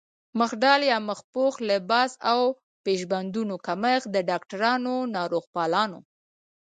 مخ ډال يا مخ پوښ، لباس او پيش بندونو کمښت د ډاکټرانو، ناروغپالانو